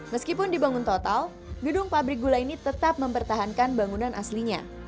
meskipun dibangun total gedung pabrik gula ini tetap mempertahankan bangunan aslinya